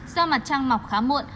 do mặt trăng mọc khá muộn